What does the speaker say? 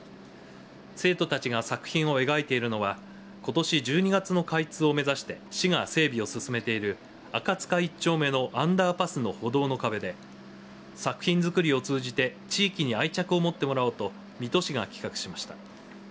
生徒たちが作品を描いているのはことし１２月の開通を目指して市が整備を進めている赤塚１丁目のアンダーパスの歩道の壁で作品づくりを通じて地域に愛着を持ってもらおうと水戸市が企画しました。